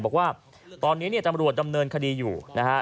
บอกว่าตอนนี้ตำรวจดำเนินขดีอยู่